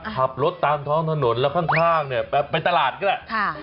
ขับรถตามท้องถนนแล้วข้างไปตลาดได้แล้ว